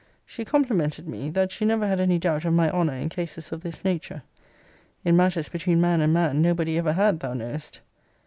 She complimented me, 'that she never had any doubt of my honour in cases of this nature.' In matters between man and man nobody ever had, thou knowest.